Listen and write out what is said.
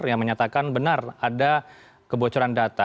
yang menyatakan benar ada kebocoran data